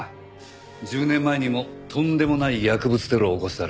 １０年前にもとんでもない薬物テロを起こした連中ですよね。